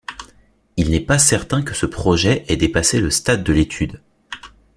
Il n'est pas certain que ce projet ait dépassé le stade de l'étude.